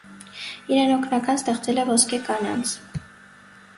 Իրեն օգնական ստեղծել է ոսկե կանանց։